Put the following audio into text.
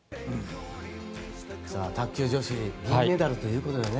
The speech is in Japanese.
卓球女子銀メダルということでね。